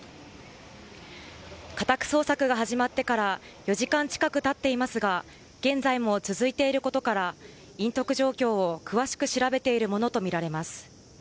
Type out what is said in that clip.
家宅捜索が始まってから４時間近く経っていますが現在も続いていることから隠匿状況を詳しく調べているものと思われます。